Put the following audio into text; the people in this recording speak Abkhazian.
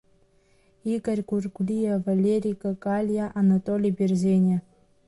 Игор Гәыргәлиа, Валери Какалиа, Анатоли Берзениа…